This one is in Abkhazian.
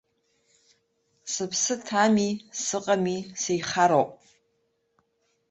Сыԥсы ҭами, сыҟами, сеихароуп.